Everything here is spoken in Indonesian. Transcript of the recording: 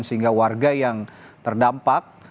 sehingga warga yang terdampak